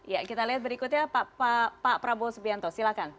ya kita lihat berikutnya pak prabowo subianto silakan